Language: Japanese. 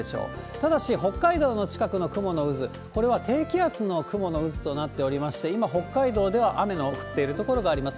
ただし、北海道の近くの雲の渦、これは低気圧の雲の渦となっておりまして、今、北海道では雨の降っている所があります。